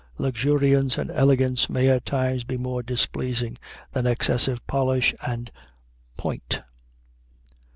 Luxuriance and elegance may at times be more displeasing than excessive polish and point.